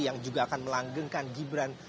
yang juga akan melanggengkan gibran